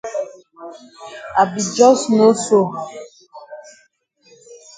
I be jus know so.